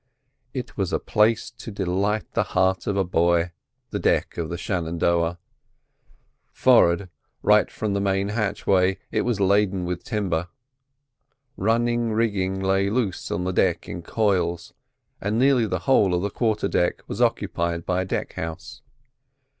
It was a place to delight the heart of a boy, the deck of the Shenandoah; forward right from the main hatchway it was laden with timber. Running rigging lay loose on the deck in coils, and nearly the whole of the quarter deck was occupied by a deck house.